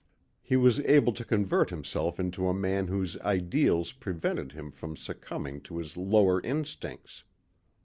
He was able to convert himself into a man whose ideals prevented him from succumbing to his lower instincts.